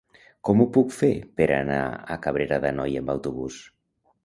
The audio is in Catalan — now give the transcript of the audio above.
Com ho puc fer per anar a Cabrera d'Anoia amb autobús?